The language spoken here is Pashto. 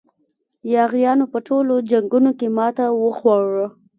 یاغیانو په ټولو جنګونو کې ماته وخوړه.